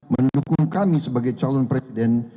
mendukung kami sebagai calon presiden